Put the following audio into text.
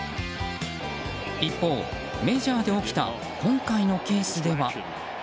一方、メジャーで起きた今回のケースでは。